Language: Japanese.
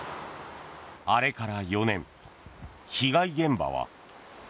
あれから４年、被害現場は。